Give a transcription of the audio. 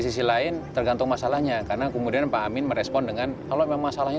sisi lain tergantung masalahnya karena kemudian pak amin merespon dengan kalau memang masalahnya